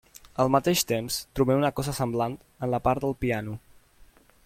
Al mateix temps, trobem una cosa semblant en la part del piano.